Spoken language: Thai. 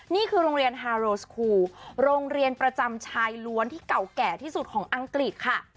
นี่คือโรงเรียนฮาโรสคูโรงเรียนประจำชายล้วนที่เก่าแก่ที่สุดของอังกฤษค่ะ